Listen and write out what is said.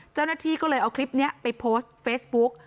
เจ้าหน้าที่ก็เลยเอาคลิปนี้ไปโพสต์เฟซบุ๊ก